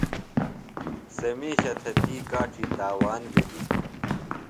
سےۡ مِیشہ تھےۡ تی کاڇی تاوان بی دِتیۡ۔